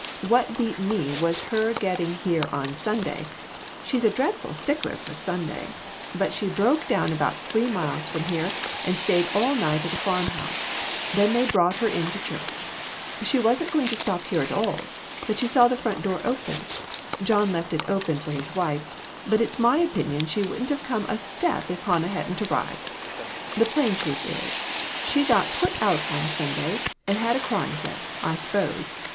What beat me was her getting here on Sunday; she's a dreadful stickler for Sunday; but she broke down about three miles from here, and stayed all night at a farm house ; then they brought her in to church. She wasn't going to stop here at all, but she saw the front door open. John left it open for his wife, but it's my opin ion she wouldn't have come a step if Hannah hadn't arrived. The plain truth is, she got put out on Sunday, and had a crying fit, I s'pose.